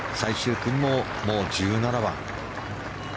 最終組ももう１７番。